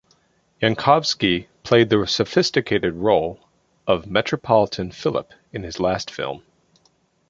Yankovsky played the sophisticated role of Metropolitan Philip in his last film.